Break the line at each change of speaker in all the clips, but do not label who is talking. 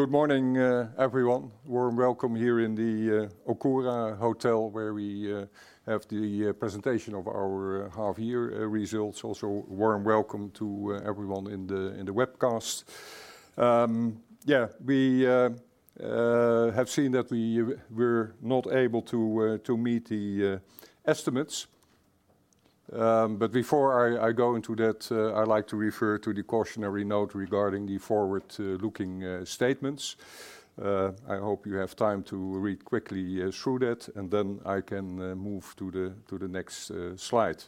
Good morning, everyone. Warm welcome here in the Okura Hotel, where we have the presentation of our half-year results. Also, warm welcome to everyone in the webcast. Yeah, we have seen that we're not able to meet the estimates. But before I go into that, I'd like to refer to the cautionary note regarding the forward-looking statements. I hope you have time to read quickly through that, and then I can move to the next slide.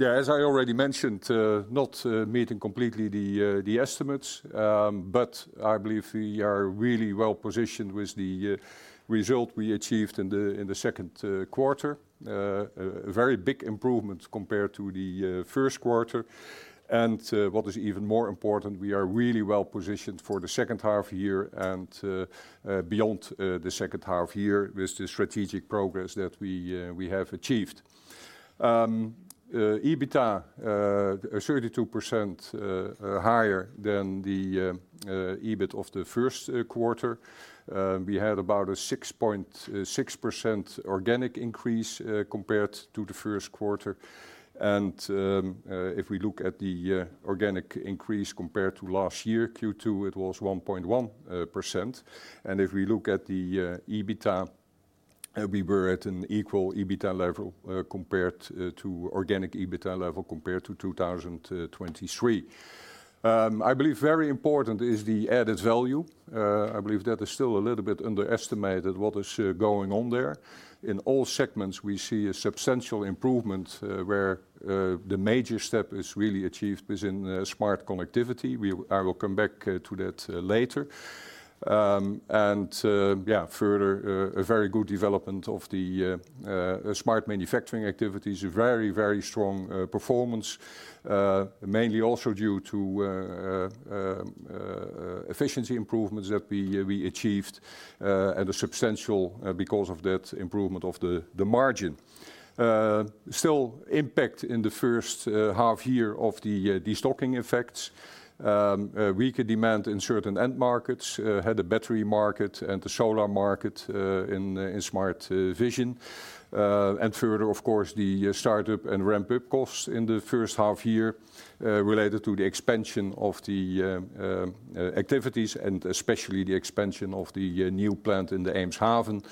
Yeah, as I already mentioned, not meeting completely the estimates, but I believe we are really well-positioned with the result we achieved in the second quarter. A very big improvement compared to the first quarter. And what is even more important, we are really well-positioned for the second half year and beyond the second half year with the strategic progress that we have achieved. EBITDA is 32% higher than the EBIT of the first quarter. We had about a 6.6% organic increase compared to the first quarter. And if we look at the organic increase compared to last year, Q2, it was 1.1%. And if we look at the EBITDA, we were at an equal EBITDA level compared to—organic EBITDA level compared to 2023. I believe very important is the added value. I believe that is still a little bit underestimated, what is going on there. In all segments, we see a substantial improvement, where the major step is really achieved is in Smart Connectivity. I will come back to that later. Yeah, further a very good development of the Smart Manufacturing activities. A very, very strong performance mainly also due to efficiency improvements that we achieved and a substantial, because of that, improvement of the margin. Still impact in the first half year of the destocking effects. A weaker demand in certain end markets in the battery market and the solar market in Smart Vision. And further, of course, the startup and ramp-up costs in the first half year, related to the expansion of the activities, and especially the expansion of the new plant in the Eemshaven,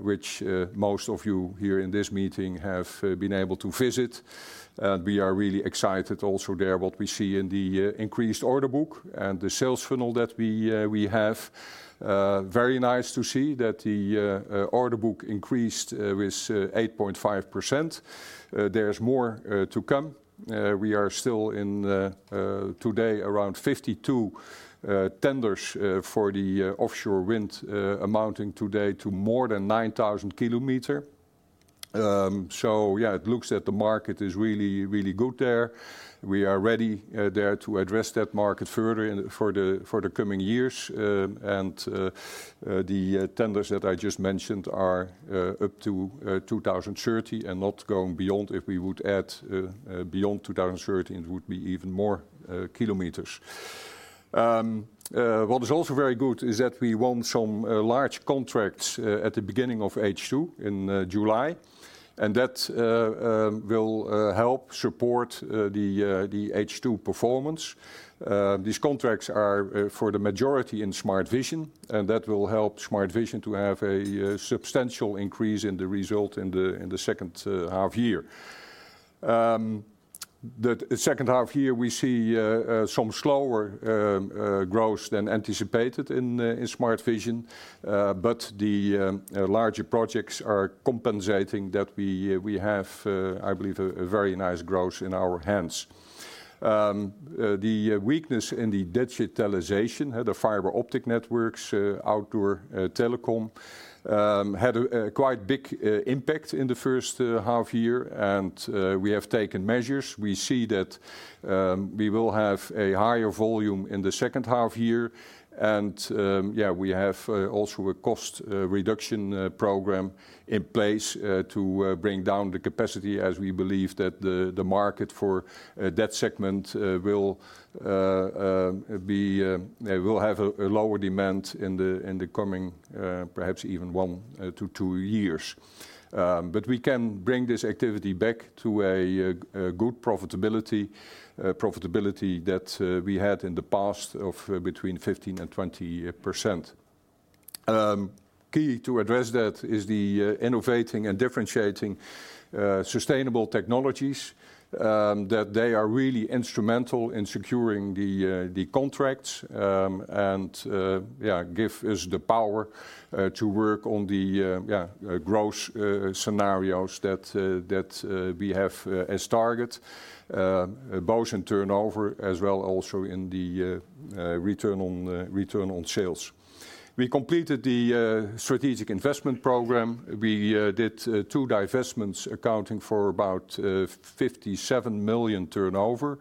which most of you here in this meeting have been able to visit. And we are really excited also there, what we see in the increased order book and the sales funnel that we have. Very nice to see that the order book increased with 8.5%. There is more to come. We are still in today, around 52 tenders for the offshore wind, amounting today to more than 9,000 kilometers. So yeah, it looks that the market is really, really good there. We are ready there to address that market further in for the coming years. The tenders that I just mentioned are up to 2030 and not going beyond. If we would add beyond 2030, it would be even more kilometers. What is also very good is that we won some large contracts at the beginning of H2 in July, and that will help support the H2 performance. These contracts are for the majority in Smart Vision, and that will help Smart Vision to have a substantial increase in the result in the second half year. The second half year, we see some slower growth than anticipated in Smart Vision, but the larger projects are compensating that we have, I believe, a very nice growth in our hands. The weakness in the digitalization, the fiber optic networks, outdoor telecom, had a quite big impact in the first half year, and we have taken measures. We see that we will have a higher volume in the second half year. Yeah, we have also a cost reduction program in place to bring down the capacity, as we believe that the market for that segment will have a lower demand in the coming perhaps even one to two years. But we can bring this activity back to a good profitability that we had in the past of between 15% and 20%. Key to address that is the innovating and differentiating sustainable technologies that they are really instrumental in securing the contracts and give us the power to work on the growth scenarios that we have as targets both in turnover as well also in the return on sales. We completed the strategic investment program. We did two divestments, accounting for about 57 million turnover,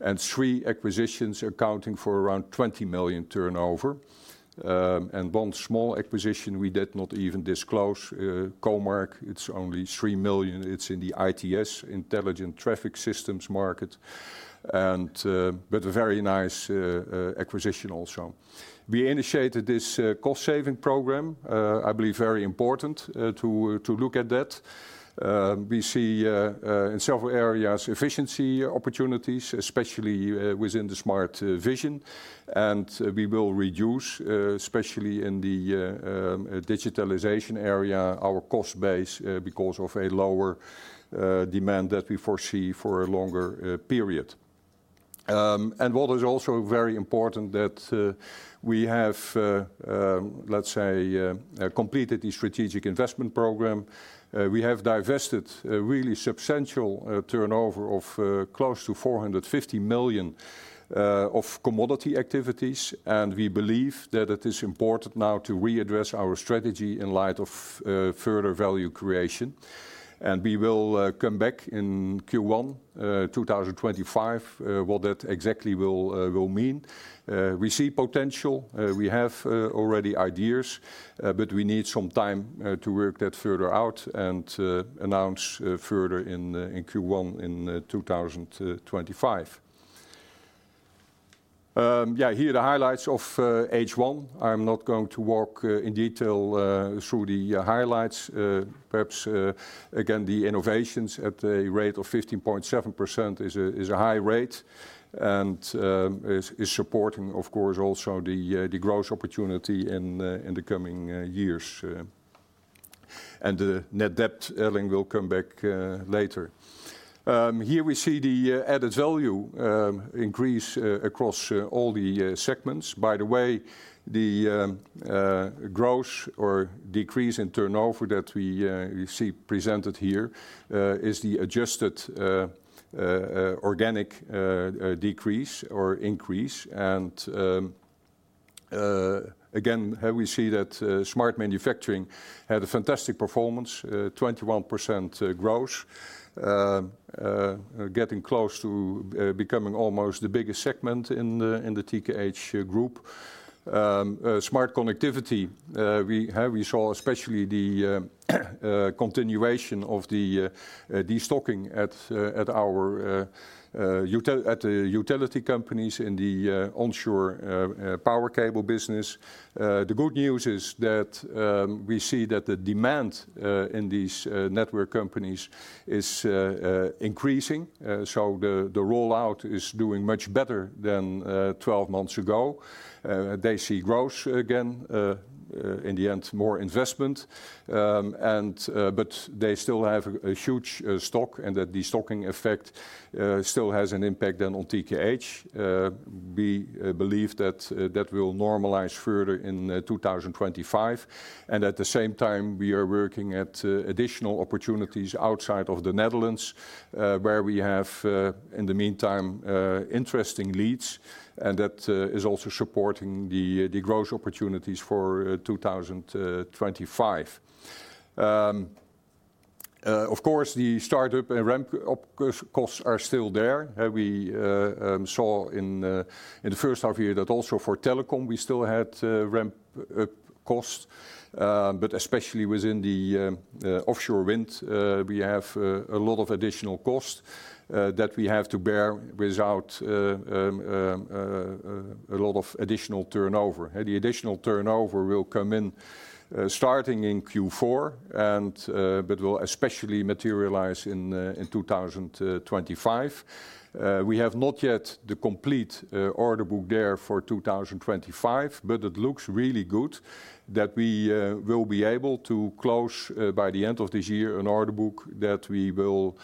and three acquisitions accounting for around 20 million turnover. And one small acquisition we did not even disclose, Comark. It's only 3 million. It's in the ITS, Intelligent Traffic Systems market, and but a very nice acquisition also. We initiated this cost-saving program, I believe very important to look at that. We see in several areas, efficiency opportunities, especially within the Smart Vision, and we will reduce especially in the digitalization area, our cost base because of a lower demand that we foresee for a longer period. And what is also very important that we have let's say completed the strategic investment program. We have divested a really substantial turnover of close to 450 million of commodity activities, and we believe that it is important now to readdress our strategy in light of further value creation. And we will come back in Q1 2025 what that exactly will will mean. We see potential. We have already ideas, but we need some time to work that further out and to announce further in the in Q1 in 2025. Yeah, here are the highlights of H1. I'm not going to walk in detail through the highlights. Perhaps again, the innovations at a rate of 15.7% is a is a high rate and is supporting, of course, also the the growth opportunity in the in the coming years. And the net debt, Elling will come back later. Here we see the added value increase across all the segments. By the way, the growth or decrease in turnover that we see presented here is the adjusted organic decrease or increase. Again, here we see that Smart Manufacturing had a fantastic performance, 21% growth. Getting close to becoming almost the biggest segment in the TKH Group. Smart Connectivity, here we saw especially the continuation of the destocking at our utility companies in the onshore power cable business. The good news is that we see that the demand in these network companies is increasing. So the rollout is doing much better than 12 months ago. They see growth again, in the end, more investment. But they still have a huge stock, and the destocking effect still has an impact then on TKH. We believe that will normalize further in 2025. At the same time, we are working at additional opportunities outside of the Netherlands, where we have in the meantime interesting leads, and that is also supporting the growth opportunities for 2025. Of course, the startup and ramp-up costs are still there. We saw in the first half year that also for telecom, we still had ramp-up cost, but especially within the offshore wind, we have a lot of additional cost that we have to bear without a lot of additional turnover. The additional turnover will come in starting in Q4 and, but will especially materialize in 2025. We have not yet the complete order book there for 2025, but it looks really good that we will be able to close, by the end of this year, an order book that we will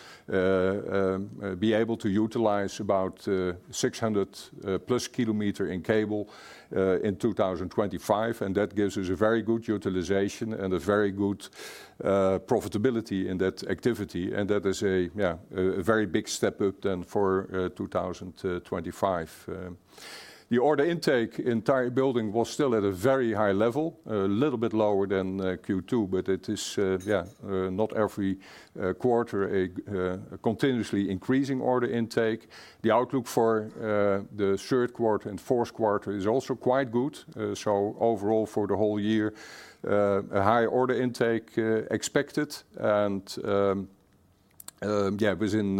be able to utilize about 600+ kilometers in cable in 2025. That gives us a very good utilization and a very good profitability in that activity. That is a very big step up then for 2025. The order intake in tire building was still at a very high level, a little bit lower than Q2, but it is not every quarter a continuously increasing order intake. The outlook for the third quarter and fourth quarter is also quite good. So overall, for the whole year, a high order intake expected. And within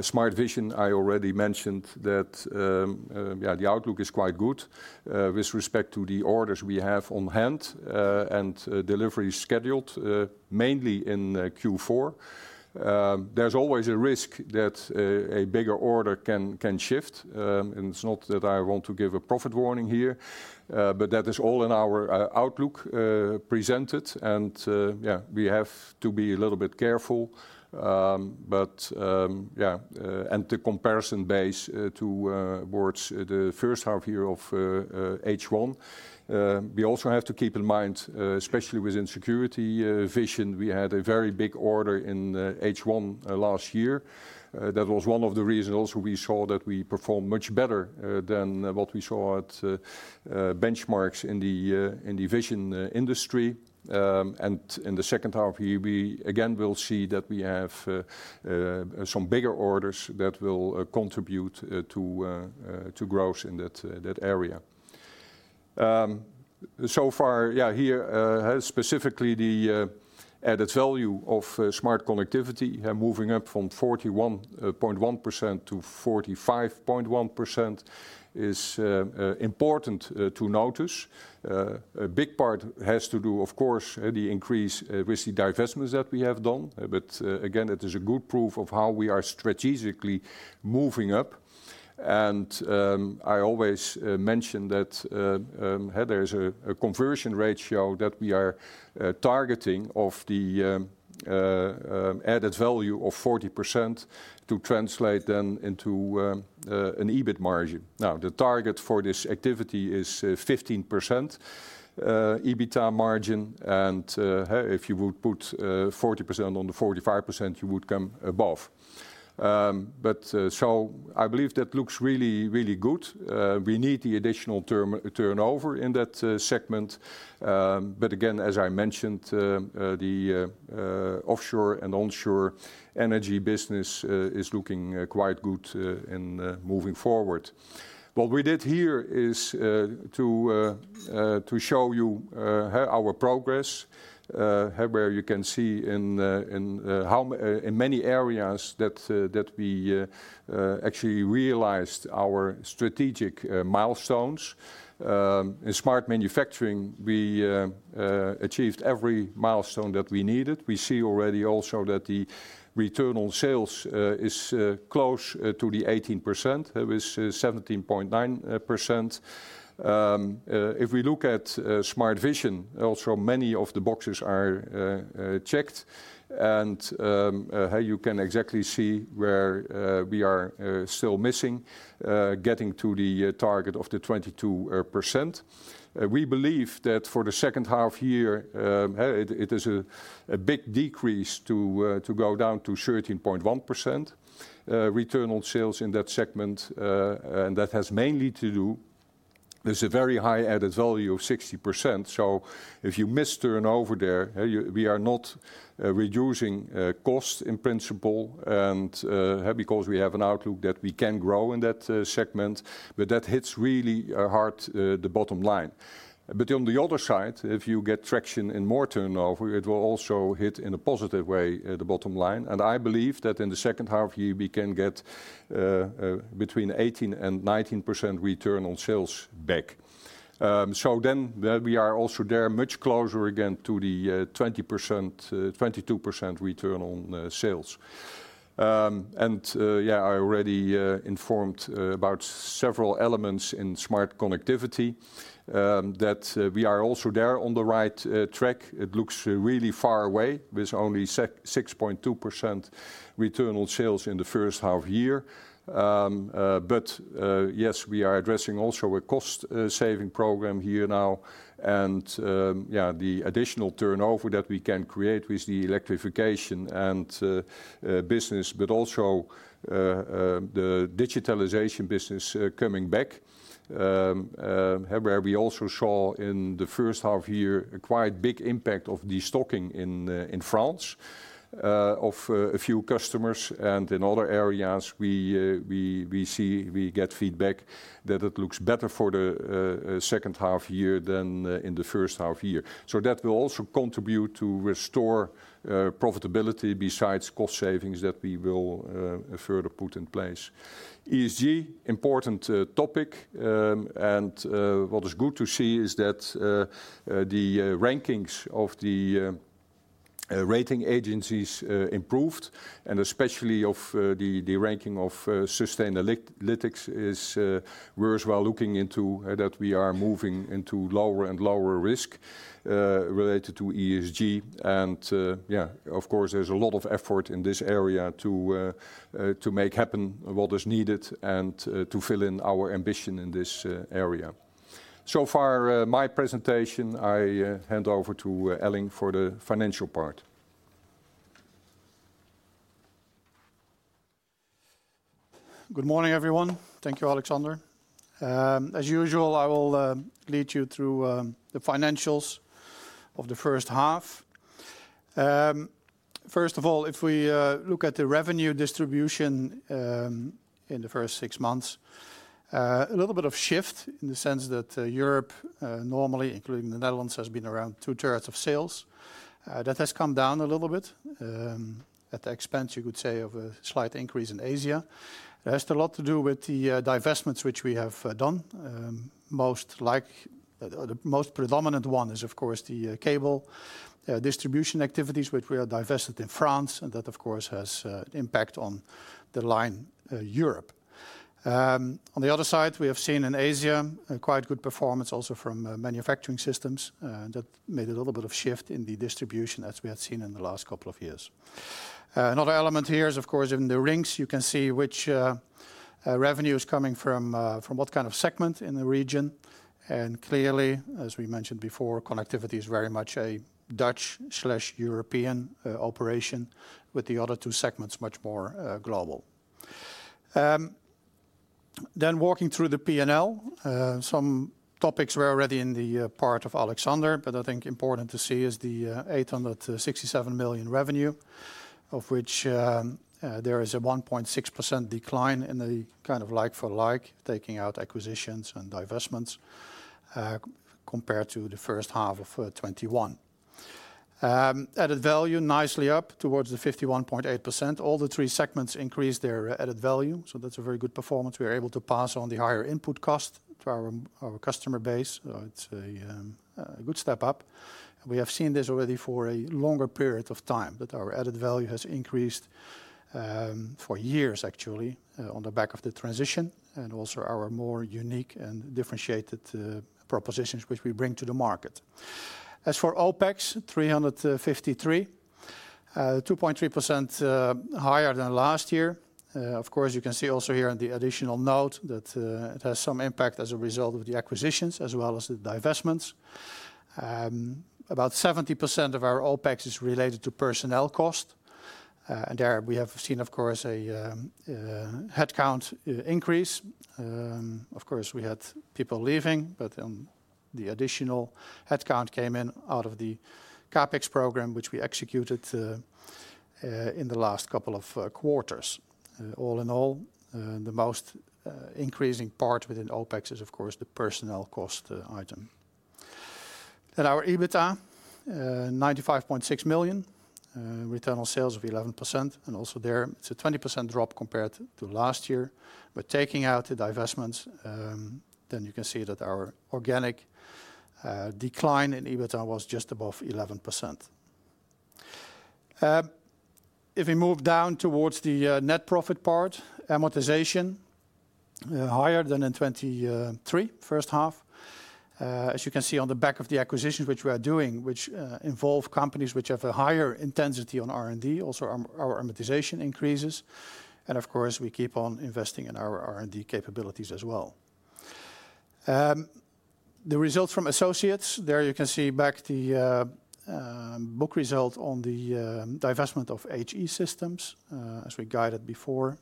Smart Vision, I already mentioned that, the outlook is quite good with respect to the orders we have on hand and delivery scheduled mainly in Q4. There's always a risk that a bigger order can shift. It's not that I want to give a profit warning here, but that is all in our outlook presented, and yeah, we have to be a little bit careful. But yeah, the comparison base towards the first half year of H1. We also have to keep in mind, especially within Smart Vision, we had a very big order in H1 last year. That was one of the reasons also we saw that we performed much better than what we saw at benchmarks in the vision industry. And in the second half year, we again will see that we have some bigger orders that will contribute to growth in that area. So far, yeah, here, specifically, the added value of Smart Connectivity, moving up from 41.1% to 45.1% is important to notice. A big part has to do, of course, the increase with the divestments that we have done. But again, it is a good proof of how we are strategically moving up. And I always mention that there is a conversion ratio that we are targeting of the added value of 40% to translate then into an EBIT margin. Now, the target for this activity is 15% EBITDA margin, and if you would put 40% on the 45%, you would come above. But I believe that looks really, really good. We need the additional turnover in that segment. But again, as I mentioned, the offshore and onshore energy business is looking quite good in moving forward. What we did here is to show you our progress, where you can see in in many areas that that we actually realized our strategic milestones. In Smart Manufacturing, we achieved every milestone that we needed. We see already also that the return on sales is close to the 18% with 17.9%. If we look at Smart Vision, also many of the boxes are checked, and you can exactly see where we are still missing getting to the target of the 22%. We believe that for the second half year, it is a big decrease to go down to 13.1% return on sales in that segment. And that has mainly to do—There's a very high added value of 60%, so if you miss turnover there, you—we are not reducing costs in principle and, because we have an outlook that we can grow in that segment, but that hits really hard the bottom line. But on the other side, if you get traction and more turnover, it will also hit in a positive way the bottom line. And I believe that in the second half year, we can get between 18% and 19% return on sales back. So then we are also there much closer again to the 20%, 22% return on sales. And, yeah, I already informed about several elements in Smart Connectivity, that we are also there on the right track. It looks really far away with only 6.2% return on sales in the first half year. But, yes, we are addressing also a cost saving program here now, and, yeah, the additional turnover that we can create with the electrification and business, but also, the digitalization business coming back, where we also saw in the first half year a quite big impact of destocking in France, of a few customers. And in other areas, we see we get feedback that it looks better for the second half year than in the first half year. So that will also contribute to restore profitability besides cost savings that we will further put in place. ESG, important topic. And what is good to see is that the rankings of the rating agencies improved, and especially the ranking of Sustainalytics is - we're as well looking into that we are moving into lower and lower risk related to ESG. And yeah, of course, there's a lot of effort in this area to make happen what is needed and to fill in our ambition in this area. So far, my presentation, I hand over to Elling for the financial part.
Good morning, everyone. Thank you, Alexander. As usual, I will lead you through the financials of the first half. First of all, if we look at the revenue distribution in the first six months, a little bit of shift in the sense that Europe, normally, including the Netherlands, has been around two-thirds of sales. That has come down a little bit at the expense, you could say, of a slight increase in Asia. It has a lot to do with the divestments which we have done. The most predominant one is, of course, the cable distribution activities, which we are divested in France, and that of course has impact on the line Europe. On the other side, we have seen in Asia a quite good performance also from manufacturing systems that made a little bit of shift in the distribution as we had seen in the last couple of years. Another element here is, of course, in the rings, you can see which revenue is coming from what kind of segment in the region. Clearly, as we mentioned before, Connectivity is very much a Dutch/European operation, with the other two segments much more global. Then walking through the P&L, some topics were already in the part of Alexander, but I think important to see is the 867 million revenue, of which there is a 1.6% decline in the kind of like for like, taking out acquisitions and divestments, compared to the first half of 2021. Added value nicely up towards the 51.8%. All the three segments increased their added value, so that's a very good performance. We are able to pass on the higher input cost to our customer base. It's a good step up. We have seen this already for a longer period of time, that our added value has increased. for years actually, on the back of the transition, and also our more unique and differentiated propositions, which we bring to the market. As for OpEx, 353, 2.3% higher than last year. Of course, you can see also here in the additional note that, it has some impact as a result of the acquisitions as well as the divestments. About 70% of our OpEx is related to personnel cost. And there we have seen, of course, a headcount increase. Of course, we had people leaving, but, the additional headcount came in out of the CapEx program, which we executed, in the last couple of quarters. All in all, the most increasing part within OpEx is, of course, the personnel cost item. Our EBITDA, 95.6 million, return on sales of 11%, and also there it's a 20% drop compared to last year. But taking out the divestments, then you can see that our organic, decline in EBITDA was just above 11%. If we move down towards the, net profit part, amortization, higher than in 2023 first half. As you can see, on the back of the acquisitions which we are doing, which, involve companies which have a higher intensity on R&D, also our, our amortization increases, and of course, we keep on investing in our R&D capabilities as well. The results from associates, there you can see back the, book result on the, divestment of HE System Electronic. As we guided before,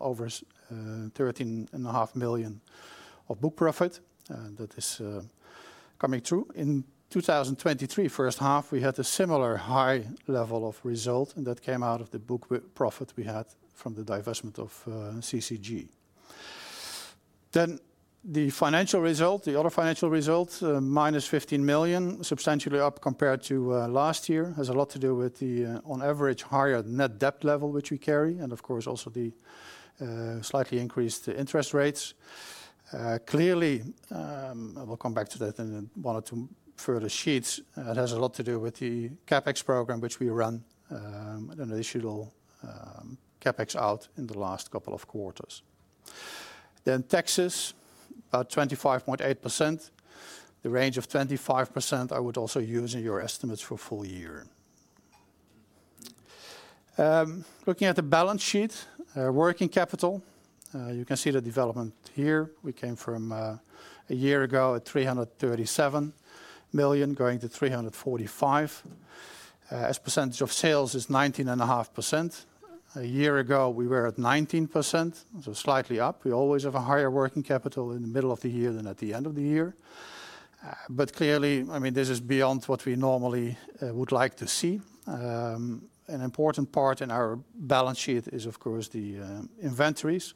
over 13.5 million of book profit, and that is coming through. In 2023, first half, we had a similar high level of result, and that came out of the book profit we had from the divestment of CCG. Then the financial result, the other financial result, -15 million, substantially up compared to last year, has a lot to do with the on average, higher net debt level, which we carry, and of course, also the slightly increased interest rates. Clearly, I will come back to that in one or two further sheets. It has a lot to do with the CapEx program, which we run, an initial CapEx out in the last couple of quarters. Then taxes, about 25.8%. The range of 25%, I would also use in your estimates for full year. Looking at the balance sheet, working capital, you can see the development here. We came from, a year ago at 337 million, going to 345 million. As percentage of sales is 19.5%. A year ago, we were at 19%, so slightly up. We always have a higher working capital in the middle of the year than at the end of the year. But clearly, I mean, this is beyond what we normally would like to see. An important part in our balance sheet is, of course, the inventories.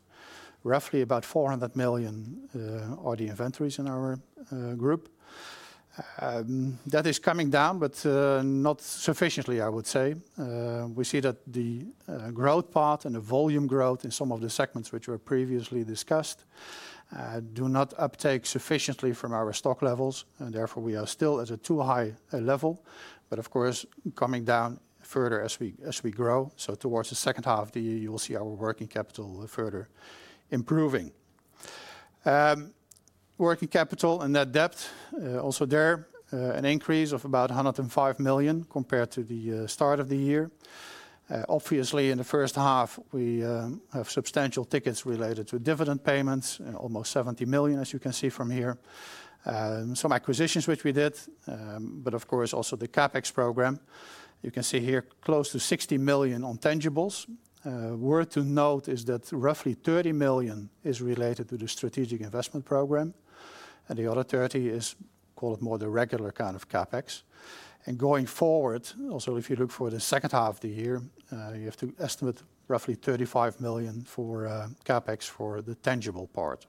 Roughly about 400 million are the inventories in our group. That is coming down, but not sufficiently, I would say. We see that the growth path and the volume growth in some of the segments which were previously discussed do not uptake sufficiently from our stock levels, and therefore, we are still at a too high level, but of course, coming down further as we grow. So towards the second half of the year, you will see our working capital further improving. Working capital and net debt also there an increase of about 105 million compared to the start of the year. Obviously, in the first half, we have substantial tickets related to dividend payments, almost 70 million, as you can see from here. Some acquisitions which we did, but of course, also the CapEx program. You can see here, close to 60 million on tangibles. Worth to note is that roughly 30 million is related to the strategic investment program, and the other thirty is, call it more the regular kind of CapEx. And going forward, also, if you look for the second half of the year, you have to estimate roughly 35 million for CapEx for the tangible part.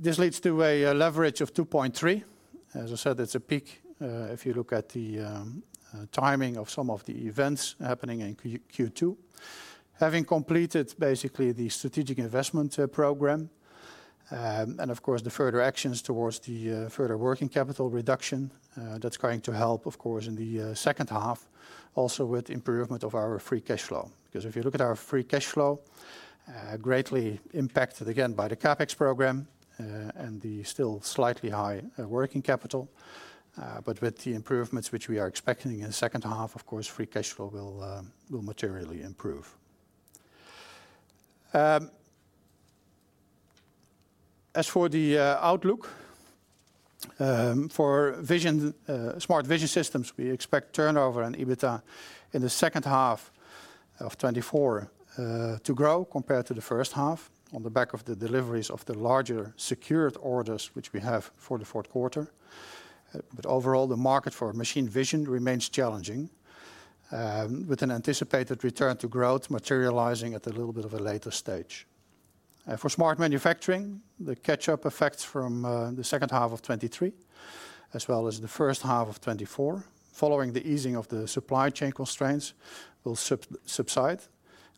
This leads to a leverage of 2.3. As I said, it's a peak, if you look at the timing of some of the events happening in Q2. Having completed basically the strategic investment program, and of course, the further actions towards the further working capital reduction, that's going to help, of course, in the second half, also with improvement of our free cash flow. Because if you look at our free cash flow, greatly impacted again by the CapEx program, and the still slightly high, working capital, but with the improvements which we are expecting in the second half, of course, free cash flow will, will materially improve. As for the, outlook, for vision, Smart Vision systems, we expect turnover and EBITDA in the second half of 2024, to grow compared to the first half on the back of the deliveries of the larger secured orders, which we have for the fourth quarter. But overall, the market for machine vision remains challenging, with an anticipated return to growth materializing at a little bit of a later stage. For Smart Manufacturing, the catch-up effects from the second half of 2023, as well as the first half of 2024, following the easing of the supply chain constraints, will subside,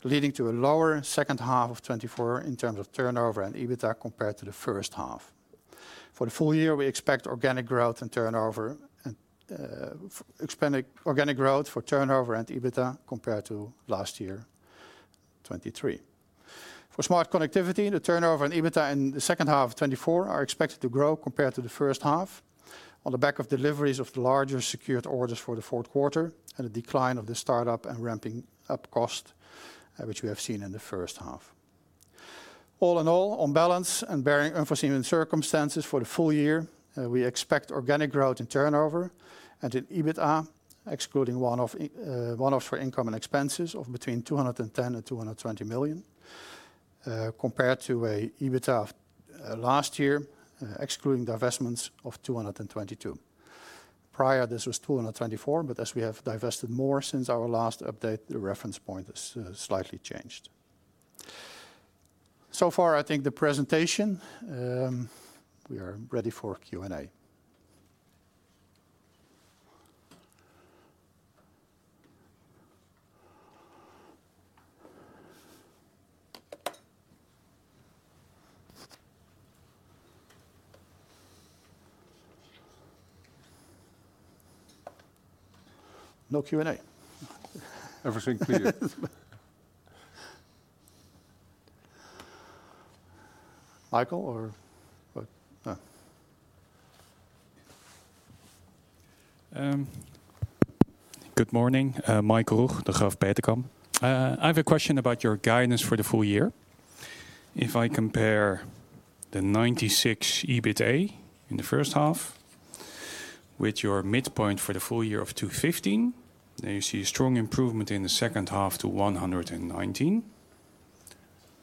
leading to a lower second half of 2024 in terms of turnover and EBITDA compared to the first half. For the full year, we expect organic growth and turnover and expanding organic growth for turnover and EBITDA compared to last year, 2023. For Smart Connectivity, the turnover and EBITDA in the second half of 2024 are expected to grow compared to the first half, on the back of deliveries of the larger secured orders for the fourth quarter and a decline of the startup and ramping up cost, which we have seen in the first half. All in all, on balance and barring unforeseen circumstances for the full year, we expect organic growth in turnover and in EBITDA, excluding one-off, one-offs for income and expenses of between 210 million and 220 million, compared to an EBITDA last year, excluding divestments of 222 million. Prior, this was 224 million, but as we have divested more since our last update, the reference point is, slightly changed. So far, I think the presentation, we are ready for Q&A. No Q&A?
Everything clear.
Michael, or what?
Good morning, Michael Roeg, Banque Degroof Petercam. I have a question about your guidance for the full year. If I compare the 96 million EBITDA in the first half with your midpoint for the full year of 215 million, then you see a strong improvement in the second half to 119 million.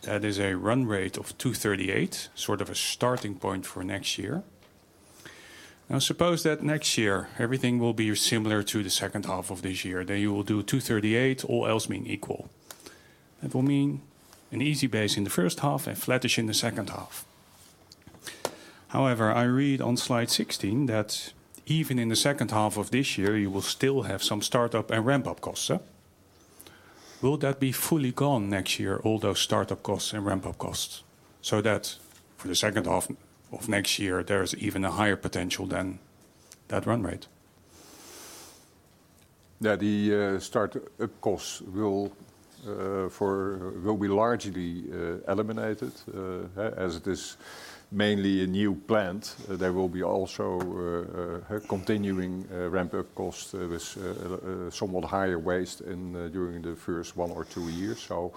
That is a run rate of 238 million, sort of a starting point for next year. Now, suppose that next year, everything will be similar to the second half of this year, then you will do 238 million, all else being equal. That will mean an easy base in the first half and flattish in the second half. However, I read on slide 16 that even in the second half of this year, you will still have some start-up and ramp-up costs, so will that be fully gone next year, all those start-up costs and ramp-up costs? So that for the second half of next year, there is even a higher potential than that run rate.
Yeah, the start-up costs will be largely eliminated, as it is mainly a new plant. There will be also continuing ramp-up costs with somewhat higher waste during the first one or two years. So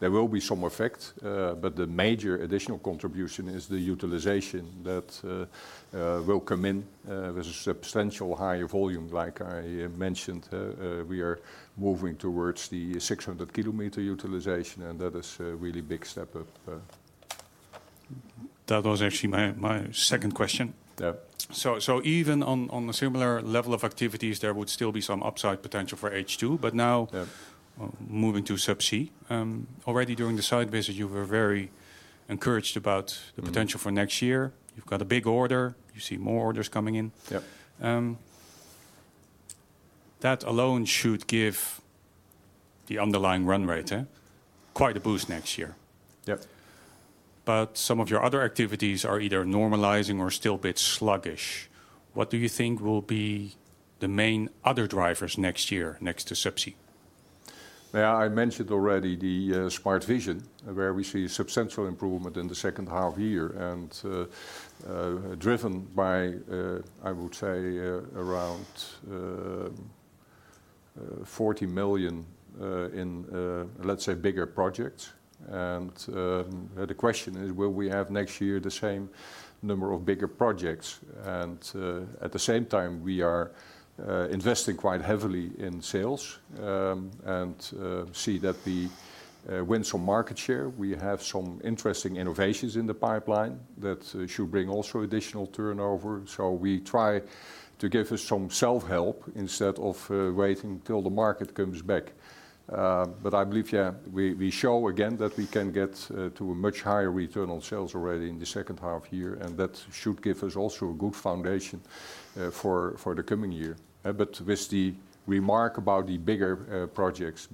there will be some effect, but the major additional contribution is the utilization that will come in with a substantial higher volume. Like I mentioned, we are moving towards the 600 kilometer utilization, and that is a really big step up.
That was actually my second question.
Yeah.
So even on a similar level of activities, there would still be some upside potential for H2, but now-
Yeah...
moving to Subsea. Already during the site visit, you were very encouraged about-
Mm...
the potential for next year. You've got a big order. You see more orders coming in.
Yeah.
That alone should give the underlying run rate, eh? Quite a boost next year.
Yeah.
But some of your other activities are either normalizing or still a bit sluggish. What do you think will be the main other drivers next year next to Subsea?
Well, I mentioned already the Smart Vision, where we see a substantial improvement in the second half year, and driven by I would say around 40 million in let's say bigger projects. And the question is, will we have next year the same number of bigger projects? And at the same time, we are investing quite heavily in sales, and see that we win some market share. We have some interesting innovations in the pipeline that should bring also additional turnover. So we try to give us some self-help instead of waiting till the market comes back. But I believe, yeah, we, we show again that we can get to a much higher return on sales already in the second half year, and that should give us also a good foundation for the coming year. But with the remark about the bigger projects,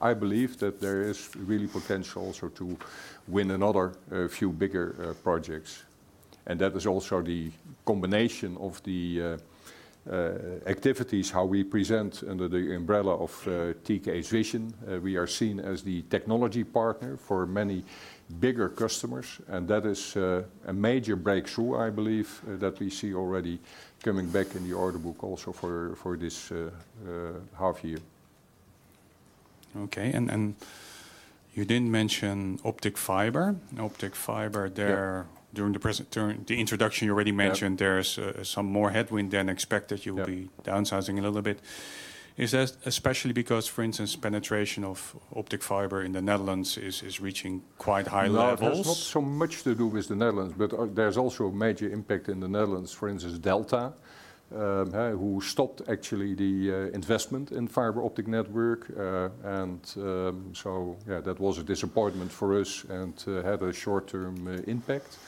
I believe that there is really potential also to win another a few bigger projects. And that is also the combination of the activities, how we present under the umbrella of TKH's vision. We are seen as the technology partner for many bigger customers, and that is a major breakthrough, I believe, that we see already coming back in the order book also for this half year.
Okay, and you didn't mention optic fiber. Optic fiber there-
Yeah...
during the presentation, during the introduction, you already mentioned-
Yeah...
there is, some more headwind than expected.
Yeah.
You will be downsizing a little bit. Is that especially because, for instance, penetration of optic fiber in the Netherlands is reaching quite high levels?
No, it has not so much to do with the Netherlands, but there's also a major impact in the Netherlands, for instance, Delta, who stopped actually the investment in fiber optic network. And, so yeah, that was a disappointment for us and had a short-term impact.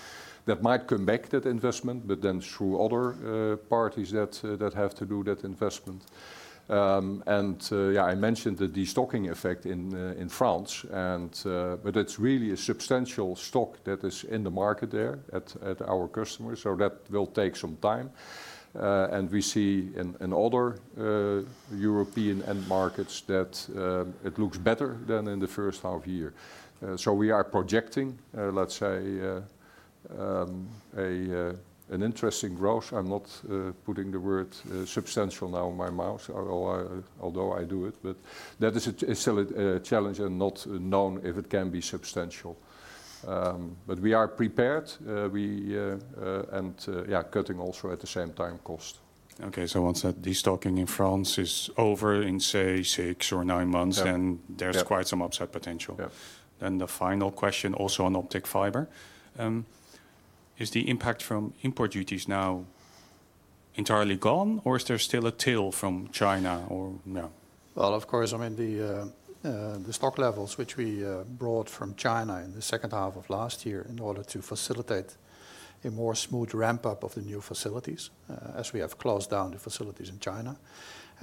That might come back, that investment, but then through other parties that have to do that investment. And yeah, I mentioned the destocking effect in France, and but it's really a substantial stock that is in the market there at our customers, so that will take some time. And we see in other European end markets that it looks better than in the first half year. So we are projecting, let's say, an interesting growth. I'm not putting the word substantial now in my mouth, although I do it, but that is still a challenge and not known if it can be substantial. But we are prepared and, yeah, cutting also at the same time cost.
Okay, so once that destocking in France is over in, say, 6 or 9 months.
Yeah
Then there's quite some upside potential.
Yeah.
Then the final question, also on optic fiber. Is the impact from import duties now entirely gone, or is there still a tail from China or no?
Well, of course, I mean, the stock levels which we brought from China in the second half of last year in order to facilitate a more smooth ramp-up of the new facilities, as we have closed down the facilities in China,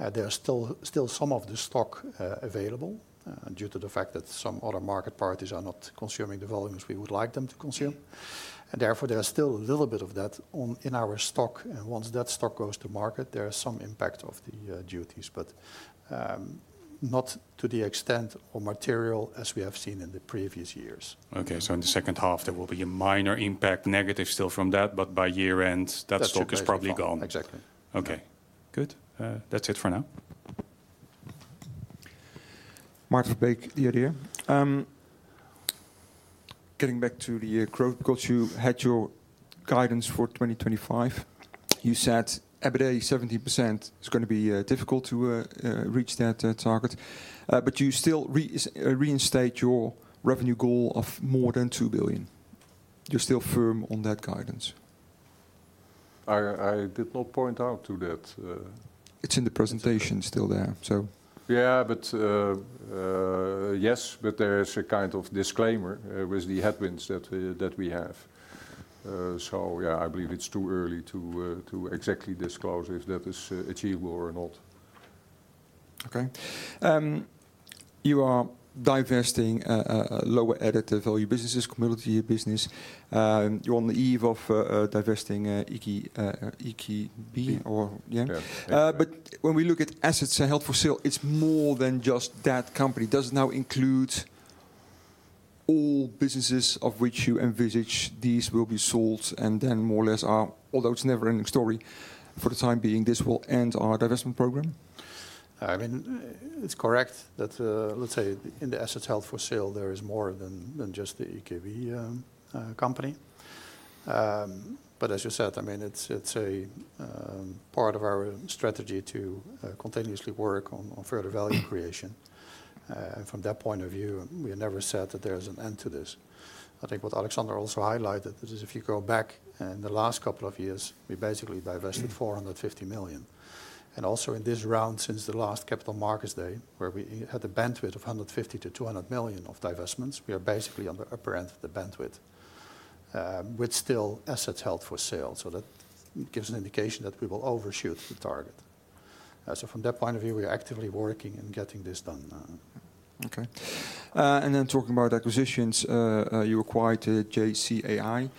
there are still some of the stock available, due to the fact that some other market parties are not consuming the volumes we would like them to consume.
Yeah.
Therefore, there are still a little bit of that on, in our stock. Once that stock goes to market, there are some impact of the duties, but not to the extent or material as we have seen in the previous years.
Okay. So in the second half, there will be a minor impact, negative still from that, but by year end, that stock is probably gone.
Exactly.
Okay, good. That's it for now.
Maarten Verbeek, the IDEA!. Getting back to the growth, because you had your guidance for 2025, you said EBITDA 70%. It's going to be difficult to reach that target, but you still reinstate your revenue goal of more than 2 billion. You're still firm on that guidance?
I did not point out to that.
It's in the presentation, still there, so.
Yeah, but, yes, but there is a kind of disclaimer with the headwinds that we have. So yeah, I believe it's too early to exactly disclose if that is achievable or not.
Okay. You are divesting lower added value businesses, Connectivity business. You're on the eve of divesting EKB or... Yeah.
Yeah.
But when we look at assets held for sale, it's more than just that company. Does it now include all businesses of which you envisage these will be sold and then more or less are, although it's a never-ending story, for the time being, this will end our divestment program?
I mean, it's correct that, let's say, in the assets held for sale, there is more than, than just the EKB, company. But as you said, I mean, it's, it's a, part of our strategy to, continuously work on, on further value creation. From that point of view, we never said that there is an end to this. I think what Alexander also highlighted is, is if you go back in the last couple of years, we basically divested 450 million. And also in this round, since the last Capital Markets Day, where we had a bandwidth of 150 million-200 million of divestments, we are basically on the upper end of the bandwidth, with still assets held for sale. So that gives an indication that we will overshoot the target. So from that point of view, we are actively working and getting this done now.
Okay. And then talking about acquisitions, you acquired JCAII.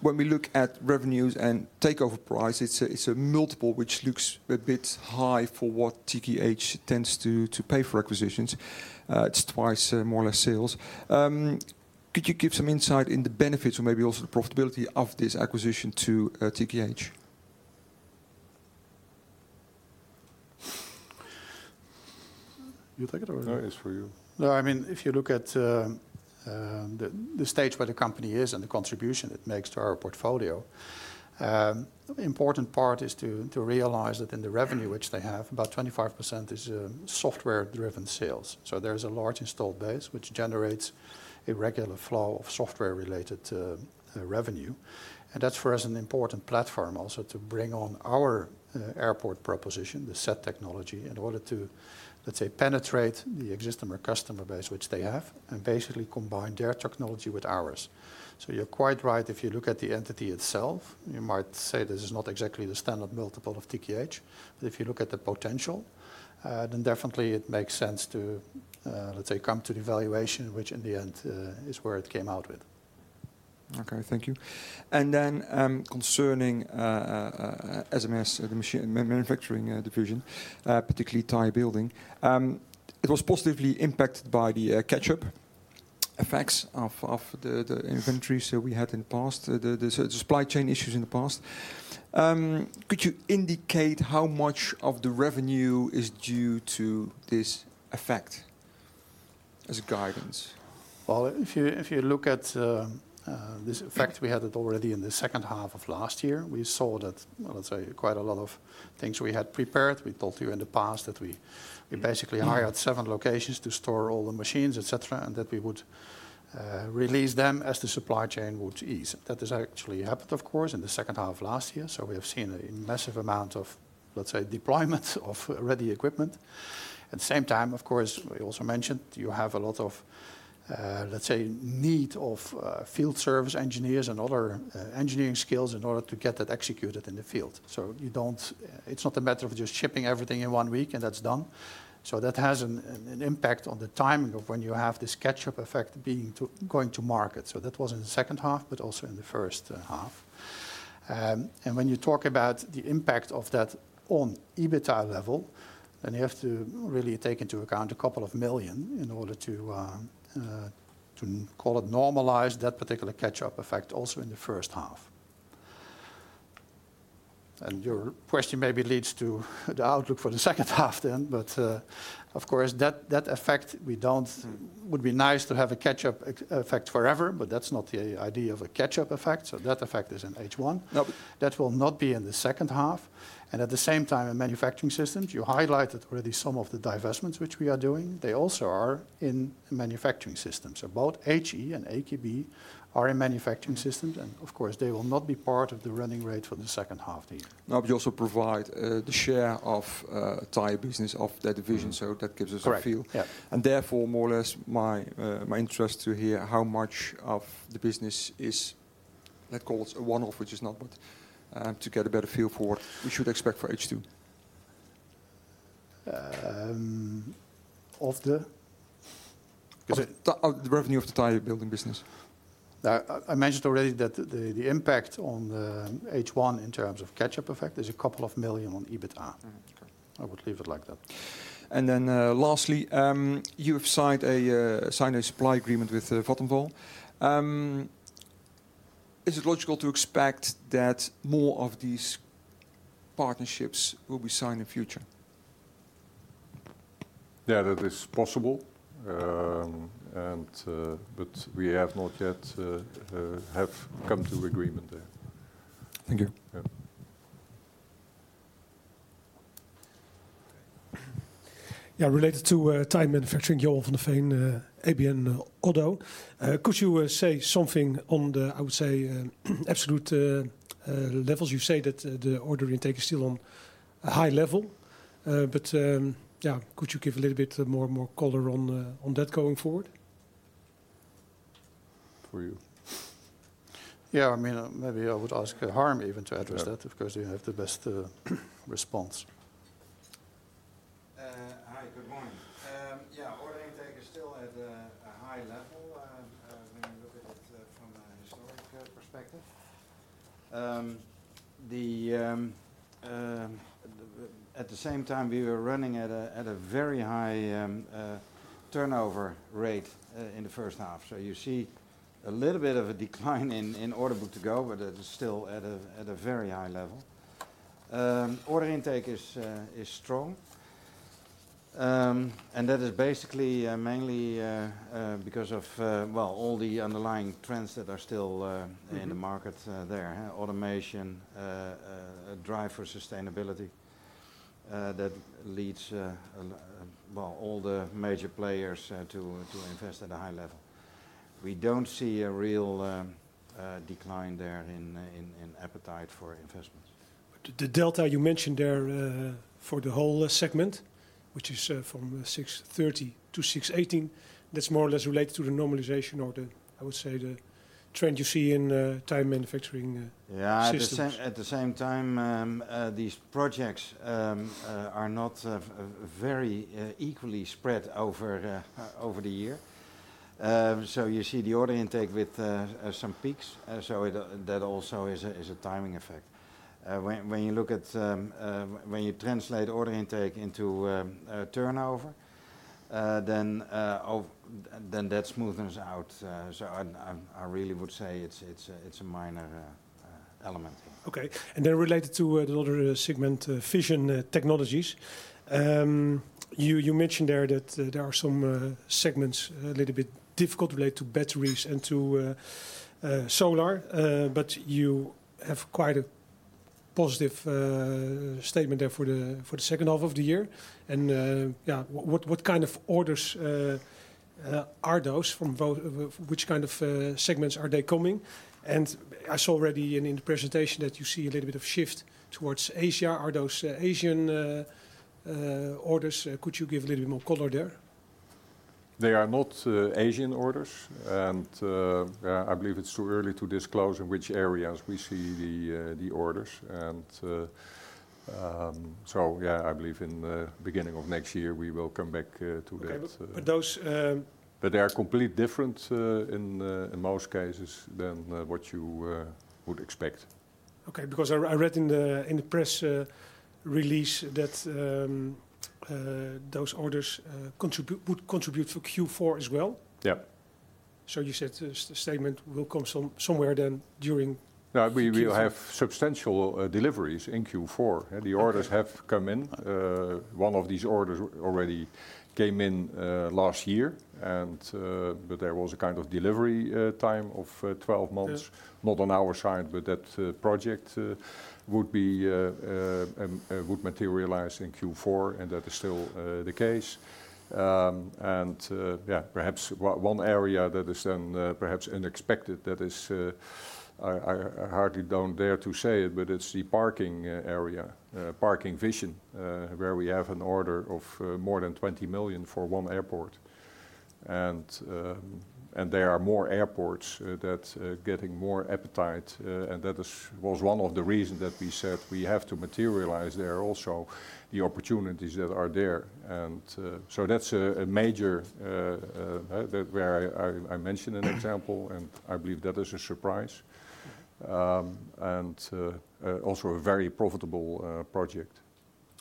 When we look at revenues and takeover price, it's a multiple which looks a bit high for what TKH tends to pay for acquisitions. It's 2x, more or less sales. Could you give some insight in the benefits or maybe also the profitability of this acquisition to TKH?
You take it or-
No, it's for you.
No, I mean, if you look at the stage where the company is and the contribution it makes to our portfolio, the important part is to realize that in the revenue which they have, about 25% is software-driven sales. So there is a large installed base, which generates a regular flow of software-related revenue. And that's, for us, an important platform also to bring on our airport proposition, the CEDD technology, in order to, let's say, penetrate the existing customer base, which they have, and basically combine their technology with ours. So you're quite right. If you look at the entity itself, you might say this is not exactly the standard multiple of TKH. But if you look at the potential, then definitely it makes sense to, let's say, come to the valuation, which in the end, is where it came out with.
Okay, thank you. And then, concerning SMS, the machine manufacturing division, particularly tire building, it was positively impacted by the catch-up effects of the inventories that we had in the past, the supply chain issues in the past. Could you indicate how much of the revenue is due to this effect as guidance?
Well, if you, if you look at this effect, we had it already in the second half of last year. We saw that, well, let's say, quite a lot of things we had prepared. We told you in the past that we basically hired seven locations to store all the machines, et cetera, and that we would release them as the supply chain would ease. That has actually happened, of course, in the second half of last year, so we have seen a massive amount of, let's say, deployment of ready equipment. At the same time, of course, we also mentioned you have a lot of, let's say, need of field service engineers and other engineering skills in order to get that executed in the field. So you don't—it's not a matter of just shipping everything in one week, and that's done. So that has an impact on the timing of when you have this catch-up effect being to going to market. So that was in the second half, but also in the first half. And when you talk about the impact of that on EBITDA level, then you have to really take into account a couple of million in order to call it normalize that particular catch-up effect also in the first half. And your question maybe leads to the outlook for the second half then, but of course, that effect would be nice to have a catch-up effect forever, but that's not the idea of a catch-up effect. So that effect is in H1.
Yep.
That will not be in the second half, and at the same time, in manufacturing systems, you highlighted already some of the divestments which we are doing. They also are in manufacturing systems. So both HE and EKB are in manufacturing systems, and of course, they will not be part of the run rate for the second half then.
Now, you also provide the share of tire business of that division, so that gives us-
Correct
-a feel.
Yeah.
And therefore, more or less, my, my interest to hear how much of the business is, let's call it, a one-off, which is not, but, to get a better feel for we should expect for H2.
Of the?
Of the revenue of the tire building business.
I mentioned already that the impact on the H1 in terms of catch-up effect is a couple of million on EBITDA.
Mm-hmm. Okay.
I would leave it like that.
Lastly, you have signed a supply agreement with Vattenfall. Is it logical to expect that more of these partnerships will be signed in future?
Yeah, that is possible. But we have not yet come to agreement there.
Thank you.
Yeah.
Yeah. Related to tire manufacturing, Martijn den Drijver, ABN AMRO. Could you say something on the, I would say, absolute levels? You say that the order intake is still on a high level, but yeah, could you give a little bit more color on that going forward?
For you.
Yeah, I mean, maybe I would ask Harm even to address that.
Yeah.
Of course, you have the best response.
Hi, good morning. Yeah, order intake is still at a high level when you look at it from a historic perspective. At the same time, we were running at a very high turnover rate in the first half. So you see a little bit of a decline in order book to go, but it is still at a very high level. Order intake is strong. And that is basically mainly because of well, all the underlying trends that are still in the market there, huh? Automation, a drive for sustainability, that leads well, all the major players to invest at a high level. We don't see a real decline there in appetite for investments.
But the Delta you mentioned there, for the whole segment, which is, from 630 million-618 million, that's more or less related to the normalization or the, I would say, the trend you see in, tire manufacturing, systems.
Yeah, at the same time, these projects are not very equally spread over the year. So you see the order intake with some peaks. So that also is a timing effect. When you look at... When you translate order intake into turnover, then that smoothens out. So I really would say it's a minor element.
Okay. And then related to the other segment, vision technologies. You mentioned there that there are some segments a little bit difficult related to batteries and to solar, but you have quite a positive statement there for the second half of the year. And yeah, what kind of orders are those? Which kind of segments are they coming from? And I saw already in the presentation that you see a little bit of shift towards Asia. Are those Asian orders? Could you give a little more color there?
They are not Asian orders, and yeah, I believe it's too early to disclose in which areas we see the orders. So yeah, I believe in the beginning of next year, we will come back to that.
Okay. But those,
But they are complete different in most cases than what you would expect.
Okay. Because I read in the press release that those orders would contribute to Q4 as well.
Yeah.
So you said the statement will come somewhere then during Q4.
Yeah, we will have substantial deliveries in Q4.
Okay.
The orders have come in. One of these orders already came in last year, and but there was a kind of delivery time of 12 months.
Yeah.
Not on our side, but that project would be materialized in Q4, and that is still the case. Yeah, perhaps one area that is then perhaps unexpected, that is, I hardly don't dare to say it, but it's the parking area, parking vision, where we have an order of more than 20 million for one airport. And there are more airports that getting more appetite, and that was one of the reasons that we said we have to materialize there also the opportunities that are there. So that's a major that where I mentioned an example, and I believe that is a surprise, and also a very profitable project.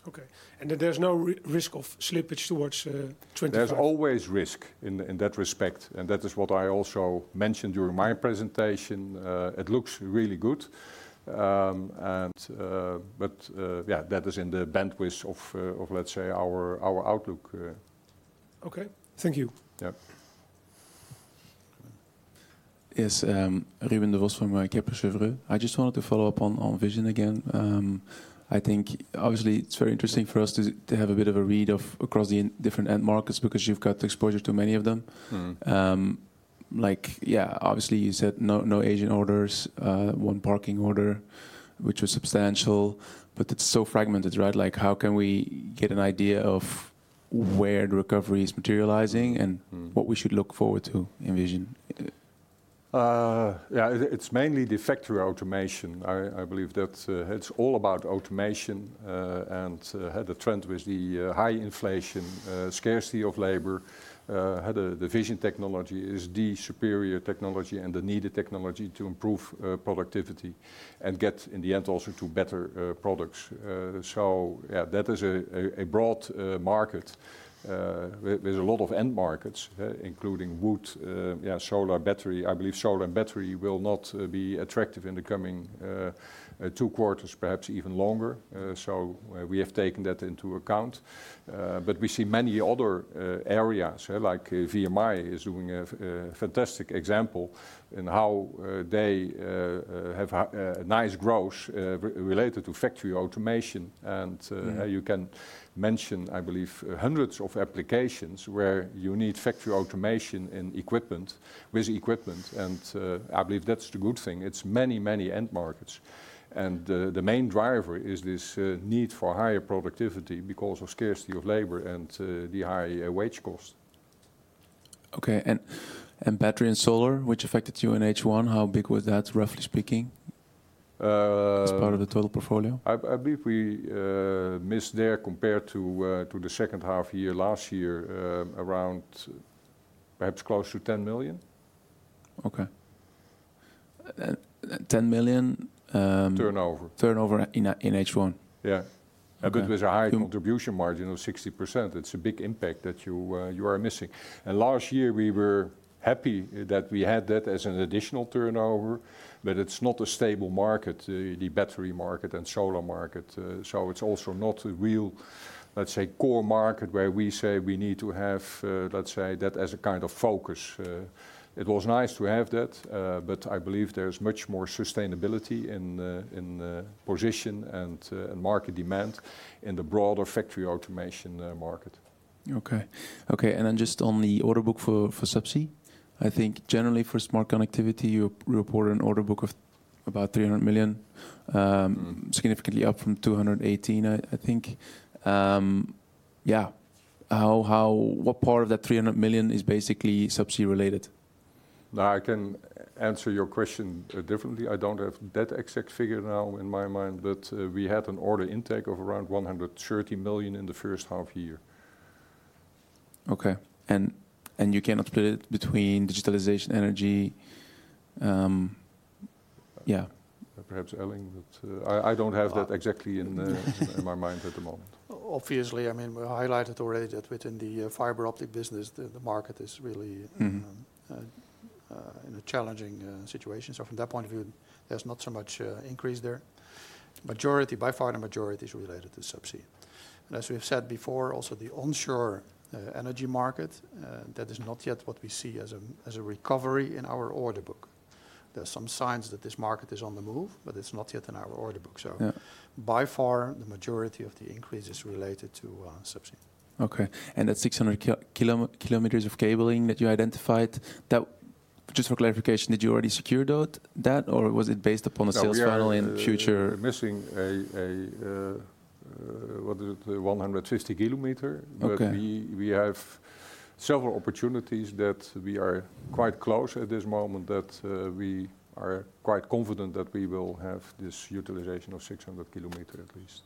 Okay, and there's no risk of slippage towards 25?
There's always risk in that respect, and that is what I also mentioned during my presentation. It looks really good. Yeah, that is in the bandwidth of, let's say, our outlook.
Okay. Thank you.
Yeah.
Yes, Ruben Devos from KBC Securities. I just wanted to follow up on Vision again. I think obviously it's very interesting for us to have a bit of a read across the different end markets, because you've got exposure to many of them.
Mm-hmm.
Like, yeah, obviously you said no, no Asian orders, one parking order, which was substantial, but it's so fragmented, right? Like, how can we get an idea of where the recovery is materializing-
Mm.
-and what we should look forward to in Vision?
Yeah, it's mainly the factory automation. I believe that it's all about automation and the trend with the high inflation, scarcity of labor, the vision technology is the superior technology and the needed technology to improve productivity and get, in the end, also to better products. So, yeah, that is a broad market. There's a lot of end markets, including wood, yeah, solar battery. I believe solar and battery will not be attractive in the coming two quarters, perhaps even longer. So we have taken that into account. But we see many other areas, like VMI is doing a fantastic example in how they have nice growth related to factory automation.
Mm.
You can mention, I believe, hundreds of applications where you need factory automation and equipment, and I believe that's the good thing. It's many, many end markets, and the main driver is this need for higher productivity because of scarcity of labor and the higher wage cost.
Okay, and battery and solar, which affected you in H1, how big was that, roughly speaking?
Uh-
As part of the total portfolio.
I believe we missed there compared to to the second half year last year, around perhaps close to 10 million.
Okay. 10 million.
Turnover.
Turnover in H1?
Yeah.
Okay.
But with a high contribution margin of 60%, it's a big impact that you are missing. And last year we were happy that we had that as an additional turnover, but it's not a stable market, the battery market and solar market. So it's also not a real, let's say, core market, where we say we need to have, let's say, that as a kind of focus. It was nice to have that, but I believe there is much more sustainability in the position and market demand in the broader factory automation market.
Okay. Okay, and then just on the order book for, for Subsea. I think generally for Smart Connectivity, you report an order book of about 300 million.
Mm...
significantly up from 218, I think. Yeah, how—what part of that 300 million is basically Subsea related?
Now, I can answer your question differently. I don't have that exact figure now in my mind, but we had an order intake of around 130 million in the first half year.
Okay, and you cannot split it between digitalization, energy.
Perhaps Elling, but I don't have that exactly in my mind at the moment.
Obviously, I mean, we highlighted already that within the fiber optic business, the market is really-
Mm-hmm ...
in a challenging situation. So from that point of view, there's not so much increase there. Majority, by far, the majority is related to Subsea. And as we've said before, also, the onshore energy market that is not yet what we see as a recovery in our order book. There are some signs that this market is on the move, but it's not yet in our order book. So-
Yeah...
by far, the majority of the increase is related to Subsea.
Okay. That 600 kilometers of cabling that you identified, that... Just for clarification, did you already secure that, that or was it based upon the sales funnel in future?
We are missing 150 km.
Okay.
But we have several opportunities that we are quite close to at this moment that we are quite confident that we will have this utilization of 600 km at least.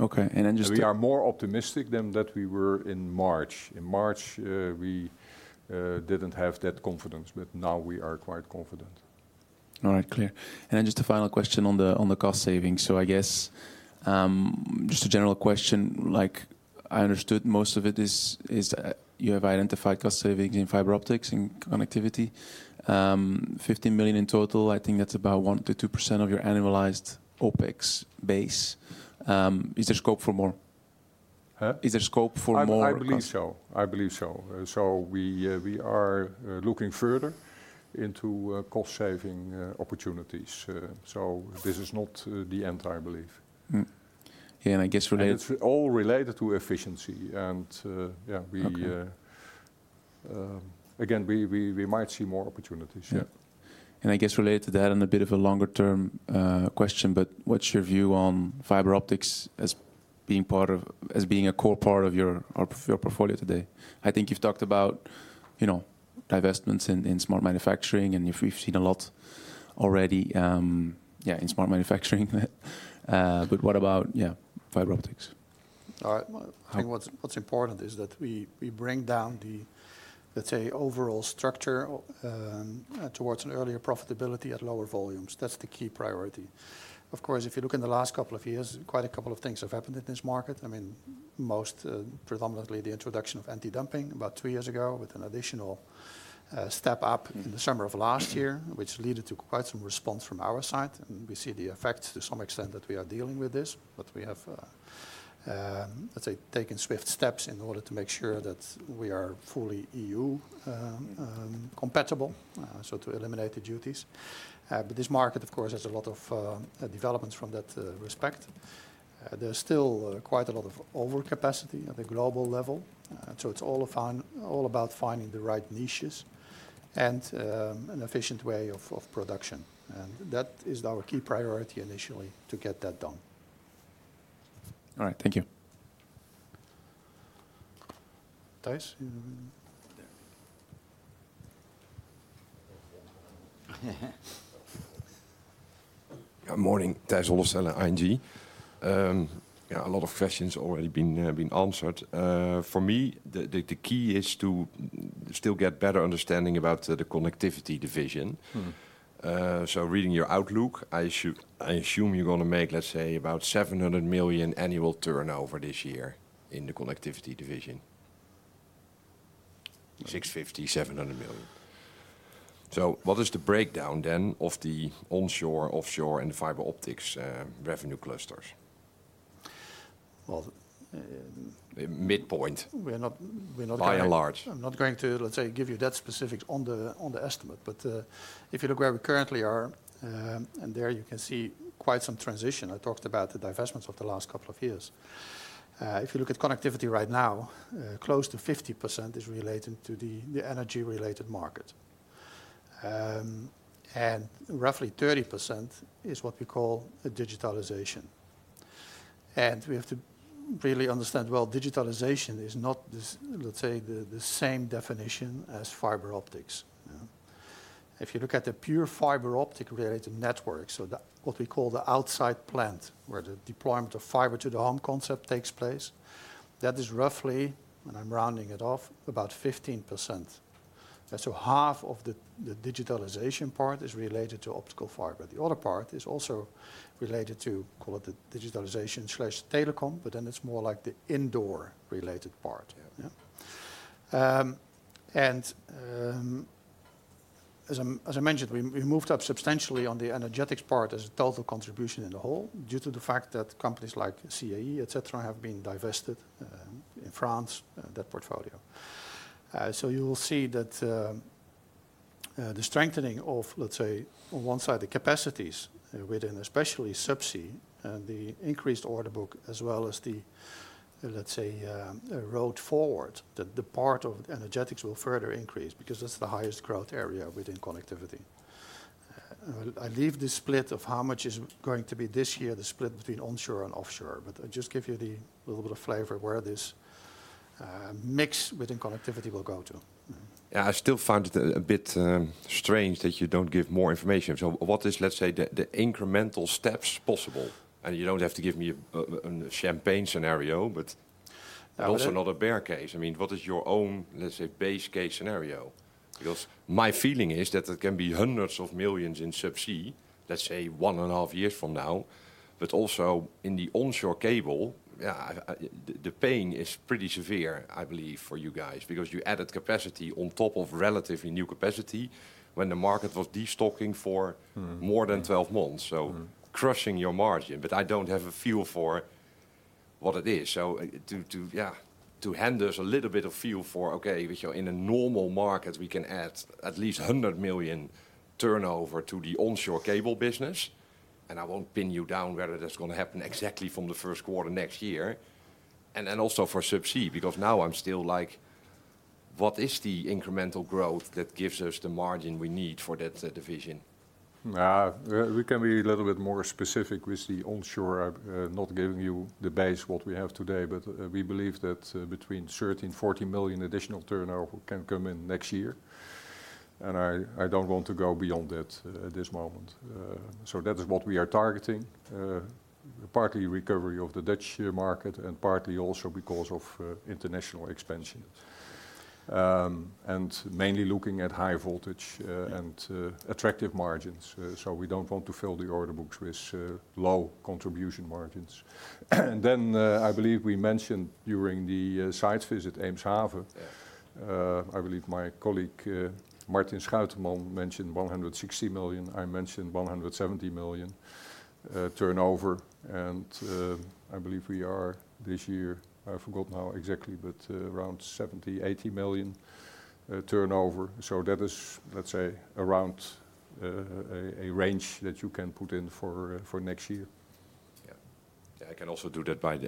Okay, and then just-
We are more optimistic than that we were in March. In March, we didn't have that confidence, but now we are quite confident.
All right, clear. And then just a final question on the cost savings. So I guess, just a general question, like I understood most of it is, you have identified cost savings in fiber optics and connectivity. 15 million in total, I think that's about 1%-2% of your annualized OpEx base. Is there scope for more?
Huh?
Is there scope for more-
I, I believe so. I believe so. So we, we are looking further into cost-saving opportunities. So this is not the end, I believe.
Mm-hmm. Yeah, and I guess related-
It's all related to efficiency, and yeah, we-
Okay...
again, we might see more opportunities. Yeah.
And I guess related to that and a bit of a longer-term question, but what's your view on fiber optics as being part of--as being a core part of your, of your portfolio today? I think you've talked about, you know, divestments in, in smart manufacturing, and we've, we've seen a lot already, yeah, in smart manufacturing. But what about, yeah, fiber optics?
All right. Well, I think what's important is that we bring down the, let's say, overall structure, towards an earlier profitability at lower volumes. That's the key priority. Of course, if you look in the last couple of years, quite a couple of things have happened in this market. I mean, most predominantly the introduction of anti-dumping about two years ago, with an additional step up in the summer of last year, which leaded to quite some response from our side, and we see the effects to some extent that we are dealing with this. But we have, let's say, taken swift steps in order to make sure that we are fully EU compatible, so to eliminate the duties. But this market, of course, has a lot of developments from that respect. There's still quite a lot of overcapacity at the global level, so it's all about finding the right niches and an efficient way of production. That is our key priority initially, to get that done.
All right, thank you.
Tijs, you? There.
Good morning. Tijs Hollestelle, ING. Yeah, a lot of questions already been answered. For me, the key is to still get better understanding about the Connectivity division.
Mm.
So reading your outlook, I should, I assume you're gonna make, let's say, about 700 million annual turnover this year in the Connectivity division.
Yes.
650 million, 700 million. So what is the breakdown then of the onshore, offshore, and fiber optics revenue clusters?
Well, um-
Midpoint-
We're not going to-...
by and large.
I'm not going to, let's say, give you that specifics on the, on the estimate, but, if you look where we currently are, and there you can see quite some transition. I talked about the divestments of the last couple of years. If you look at Connectivity right now, close to 50% is related to the, the energy-related market. And roughly 30% is what we call a digitalization. And we have to really understand, well, digitalization is not this, let's say, the, the same definition as fiber optics, yeah? If you look at the pure fiber optic-related network, so the, what we call the outside plant, where the deployment of fiber-to-the-home concept takes place, that is roughly, and I'm rounding it off, about 15%. And so half of the, the digitalization part is related to optical fiber. The other part is also related to, call it, the digitalization slash telecom, but then it's more like the indoor-related part.
Yeah.
Yeah. As I mentioned, we moved up substantially on the energetics part as a total contribution in the whole, due to the fact that companies like CAE, et cetera, have been divested in France, that portfolio. So you will see that the strengthening of, let's say, on one side, the capacities, within especially subsea, and the increased order book, as well as the, let's say, the road forward, the part of energetics will further increase because that's the highest growth area within Connectivity. I leave the split of how much is going to be this year, the split between onshore and offshore, but I just give you the little bit of flavor where this mix within Connectivity will go to.
Yeah, I still find it a bit strange that you don't give more information. So what is, let's say, the incremental steps possible? And you don't have to give me a champagne scenario, but-
Well, the-...
also not a bear case. I mean, what is your own, let's say, base case scenario? Because my feeling is that there can be hundreds of millions in subsea, let's say, one and a half years from now, but also in the onshore cable, yeah, the pain is pretty severe, I believe, for you guys, because you added capacity on top of relatively new capacity when the market was destocking for-
Mm-hmm...
more than 12 months, so-
Mm...
crushing your margin, but I don't have a feel for what it is. So, yeah, to hand us a little bit of feel for, okay, if you're in a normal market, we can add at least 100 million turnover to the onshore cable business, and I won't pin you down whether that's gonna happen exactly from the first quarter next year, and then also for subsea, because now I'm still like, what is the incremental growth that gives us the margin we need for that division?
Yeah. We can be a little bit more specific with the onshore. Not giving you the base, what we have today, but we believe that between 13 million- 14 million additional turnover can come in next year, and I don't want to go beyond that at this moment. So that is what we are targeting, partly recovery of the Dutch market and partly also because of international expansion. And mainly looking at high voltage.
Yeah...
and attractive margins, so we don't want to fill the order books with low contribution margins. And then, I believe we mentioned during the site visit, Eemshaven-
Yeah
I believe my colleague, Martin Schouten mentioned 160 million, I mentioned 170 million, turnover, and, I believe we are, this year, I forgot now exactly, but, around 70-80 million, turnover. So that is, let's say, around, a range that you can put in for, for next year.
Yeah. I can also do that by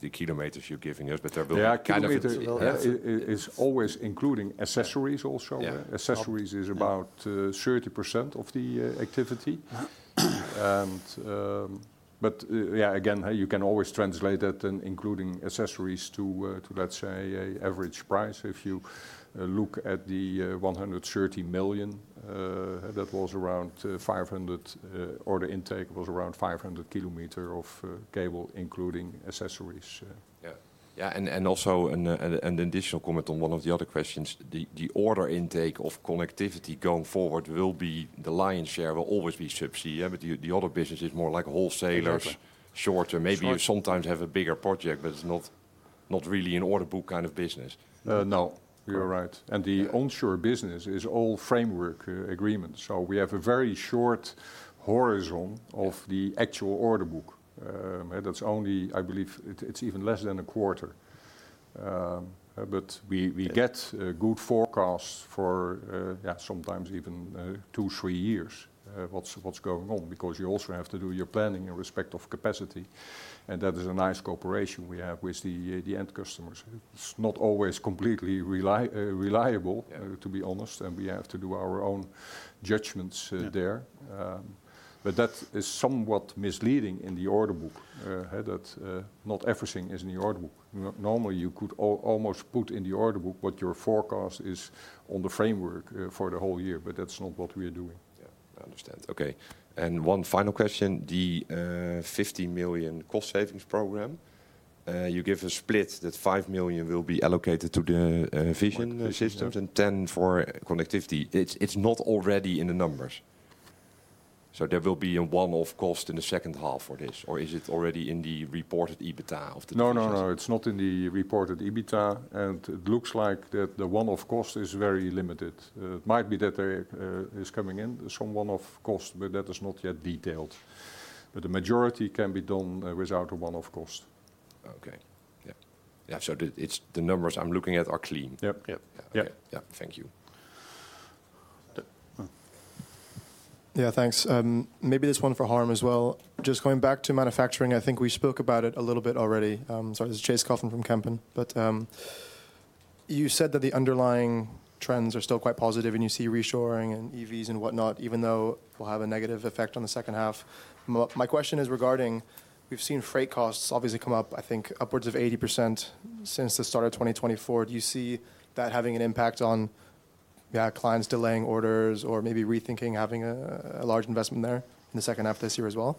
the kilometers you're giving us, but they're building kind of it-
Yeah, kilometer is always including accessories also.
Yeah, yeah.
Accessories is about 30% of the activity. But yeah, again, you can always translate that and including accessories to, to, let's say, an average price. If you look at the 130 million, that was around 500, order intake was around 500 km of cable, including accessories.
Yeah. Yeah, and also an additional comment on one of the other questions. The order intake of connectivity going forward will be the lion's share, will always be subsea, yeah? But the other business is more like a wholesaler-
Exactly.
Shorter.
Shorter.
Maybe you sometimes have a bigger project, but it's not really an order book kind of business.
No, you are right.
Yeah.
The onshore business is all framework agreements. We have a very short horizon-
Yeah...
of the actual order book. That's only—I believe it, it's even less than a quarter. But we get-
Yeah...
good forecasts for, yeah, sometimes even 2, 3 years, what's going on. Because you also have to do your planning in respect of capacity, and that is a nice cooperation we have with the end customers. It's not always completely reliable-
Yeah...
to be honest, and we have to do our own judgments there.
Yeah.
But that is somewhat misleading in the order book. That, not everything is in the order book. Normally, you could almost put in the order book what your forecast is on the framework, for the whole year, but that's not what we are doing.
Yeah, I understand. Okay. And one final question: the 50 million cost savings program, you give a split that 5 million will be allocated to the Vision systems, and 10 for connectivity. It's not already in the numbers, so there will be a one-off cost in the second half for this, or is it already in the reported EBITDA of the business?
No, no, no, it's not in the reported EBITDA, and it looks like that the one-off cost is very limited. It might be that there is coming in some one-off cost, but that is not yet detailed. But the majority can be done without a one-off cost.
Okay. Yeah. Yeah, so it's the numbers I'm looking at are clean?
Yep.
Yep.
Yeah.
Yeah. Yeah. Thank you.
The-
Yeah, thanks. Maybe this one for Harm as well. Just going back to manufacturing, I think we spoke about it a little bit already. Sorry, this is Chase Coughlan from Kempen. But you said that the underlying trends are still quite positive, and you see reshoring and EVs and whatnot, even though it will have a negative effect on the second half. My question is regarding: we've seen freight costs obviously come up, I think, upwards of 80% since the start of 2024. Do you see that having an impact on clients delaying orders or maybe rethinking having a large investment there in the second half of this year as well?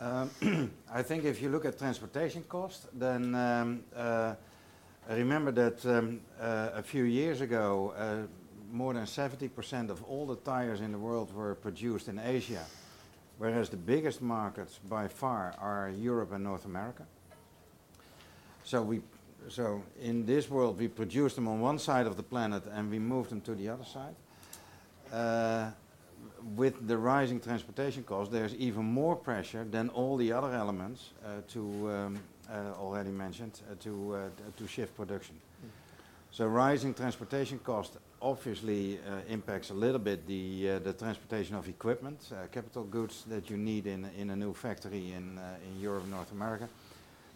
I think if you look at transportation cost, then remember that a few years ago more than 70% of all the tires in the world were produced in Asia, whereas the biggest markets by far are Europe and North America. So in this world, we produced them on one side of the planet, and we moved them to the other side. With the rising transportation costs, there's even more pressure than all the other elements already mentioned to shift production.
Mm.
Rising transportation cost obviously impacts a little bit the transportation of equipment, capital goods that you need in a new factory in Europe, North America.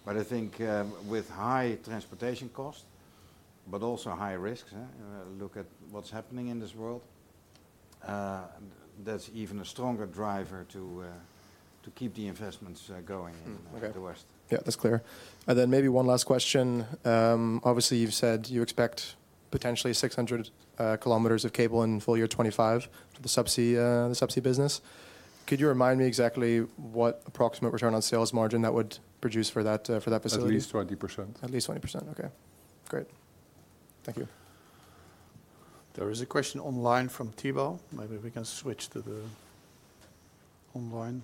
But I think with high transportation costs, but also high risks, look at what's happening in this world, that's even a stronger driver to keep the investments going in-
Mm. Okay...
the West.
Yeah, that's clear. And then maybe one last question. Obviously, you've said you expect potentially 600 km of cable in full year 2025 to the subsea, the subsea business. Could you remind me exactly what approximate return on sales margin that would produce for that, for that facility?
At least 20%.
At least 20%. Okay, great. Thank you.
There is a question online from Thibault. Maybe we can switch to the online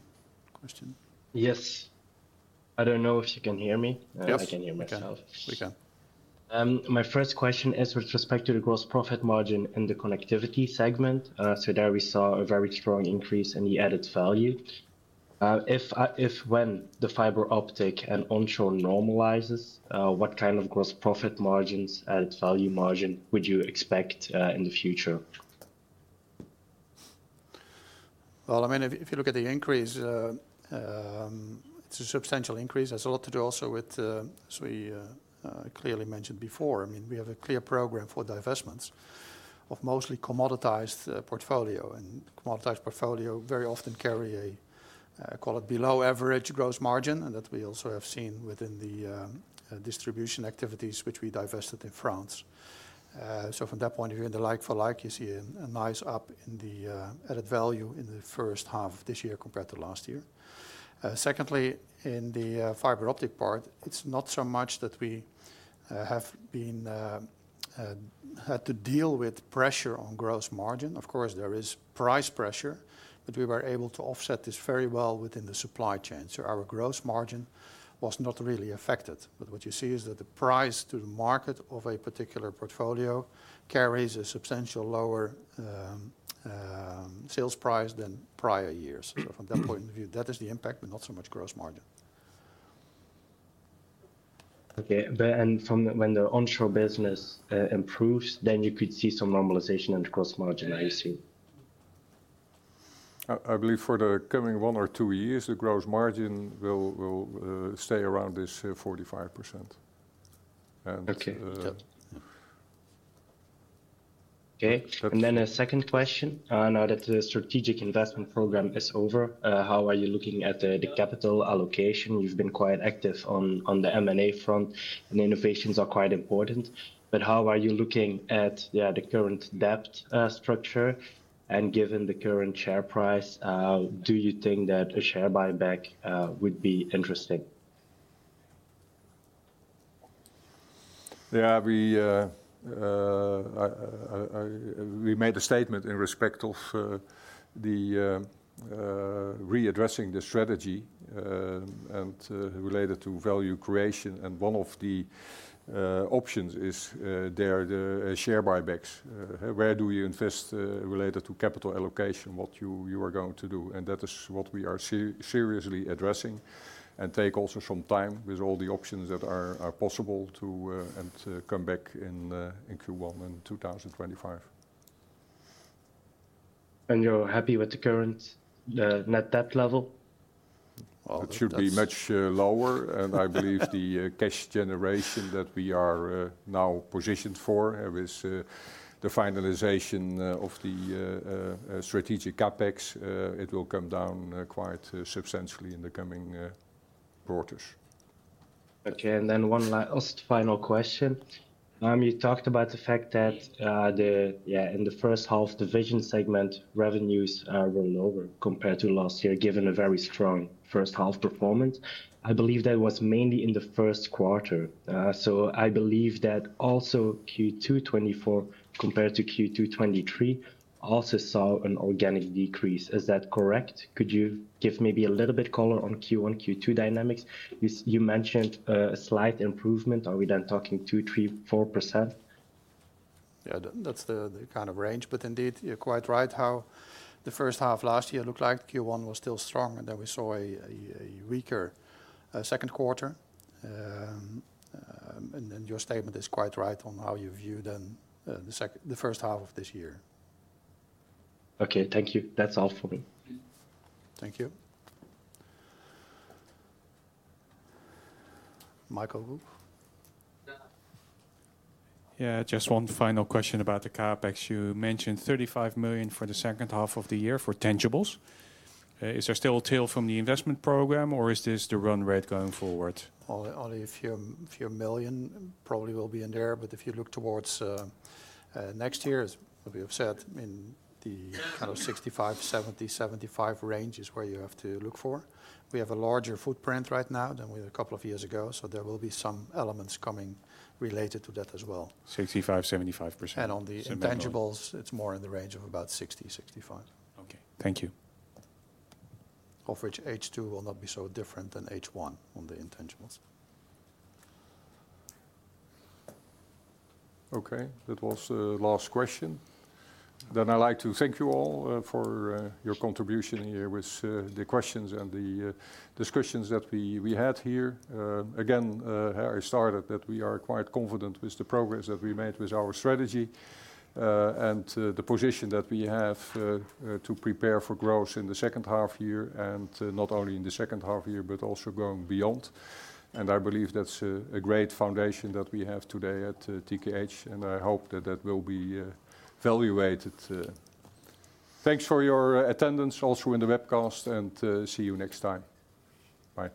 question.
Yes. I don't know if you can hear me.
Yes.
I can hear myself.
We can. We can.
My first question is with respect to the gross profit margin in the connectivity segment. So there we saw a very strong increase in the added value. If when the fiber optic and onshore normalizes, what kind of gross profit margins, added value margin, would you expect in the future?
Well, I mean, if, if you look at the increase, it's a substantial increase. That's a lot to do also with, as we clearly mentioned before, I mean, we have a clear program for divestments of mostly commoditized portfolio. And commoditized portfolio very often carry a, call it below average gross margin, and that we also have seen within the distribution activities which we divested in France. So from that point of view, in the like for like, you see a, a nice up in the added value in the first half of this year compared to last year. Secondly, in the fiber optic part, it's not so much that we have been had to deal with pressure on gross margin. Of course, there is price pressure, but we were able to offset this very well within the supply chain. So our gross margin was not really affected, but what you see is that the price to the market of a particular portfolio carries a substantial lower, sales price than prior years. So from that point of view, that is the impact, but not so much gross margin.
Okay. But and from the when the onshore business improves, then you could see some normalization in the gross margin, I assume?
I believe for the coming one or two years, the gross margin will stay around this 45%. And
Okay. Then a second question. Now that the strategic investment program is over, how are you looking at the capital allocation? You've been quite active on the M&A front, and innovations are quite important, but how are you looking at the current debt structure? And given the current share price, do you think that a share buyback would be interesting?
Yeah, we made a statement in respect of the readdressing the strategy, and related to value creation, and one of the options is the share buybacks. Where do you invest related to capital allocation, what you are going to do? And that is what we are seriously addressing, and take also some time with all the options that are possible to and to come back in the in Q1 in 2025.
You're happy with the current net debt level?
Well, it should be much lower. And I believe the cash generation that we are now positioned for with the finalization of the strategic CapEx, it will come down quite substantially in the coming quarters.
Okay, and then one last final question. You talked about the fact that, yeah, in the first half Vision segment, revenues are rolling over compared to last year, given a very strong first half performance. I believe that was mainly in the first quarter. So I believe that also Q2 2024, compared to Q2 2023, also saw an organic decrease. Is that correct? Could you give maybe a little bit color on Q1, Q2 dynamics? You mentioned a slight improvement. Are we then talking 2, 3, 4%?
Yeah, that's the kind of range, but indeed, you're quite right how the first half last year looked like. Q1 was still strong, and then we saw a weaker second quarter. And then your statement is quite right on how you view then the first half of this year.
Okay. Thank you. That's all for me.
Thank you. Michael?
Yeah. Yeah, just one final question about the CapEx. You mentioned 35 million for the second half of the year for tangibles. Is there still a tail from the investment program, or is this the run rate going forward?
Only a few million EUR probably will be in there, but if you look towards next year, as we have said, in the kind of 65 million, 70 million, 75 million range is where you have to look for. We have a larger footprint right now than we had a couple of years ago, so there will be some elements coming related to that as well.
65%-75%.
On the intangibles, it's more in the range of about 60-65.
Okay. Thank you.
Of which H2 will not be so different than H1 on the intangibles.
Okay, that was the last question. I'd like to thank you all for your contribution here with the questions and the discussions that we had here. Again, I started that we are quite confident with the progress that we made with our strategy and the position that we have to prepare for growth in the second half year and not only in the second half year, but also going beyond. I believe that's a great foundation that we have today at TKH, and I hope that that will be evaluated. Thanks for your attendance, also in the webcast, and see you next time. Bye.